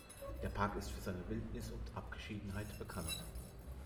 Der Park ist für seine Wildnis und Abgeschiedenheit bekannt.